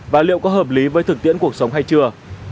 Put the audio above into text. và liệu có hợp lý với thực tiễn cuộc sống hay chưa